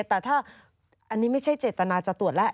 แต่ถ้าอันนี้ไม่ใช่เจตนาจะตรวจแล้ว